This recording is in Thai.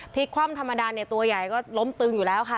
คว่ำธรรมดาเนี่ยตัวใหญ่ก็ล้มตึงอยู่แล้วค่ะ